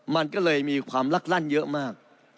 มันก็เลยมีความลักลั่นเยอะมาก